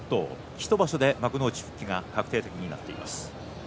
１場所で幕内復帰が決定的となっています。